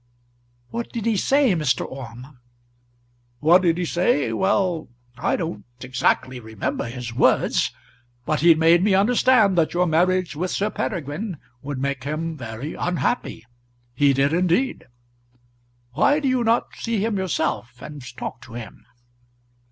"What did he say, Mr. Orme?" "What did he say? Well, I don't exactly remember his words; but he made me understand that your marriage with Sir Peregrine would make him very unhappy. He did indeed. Why do you not see him yourself, and talk to him?"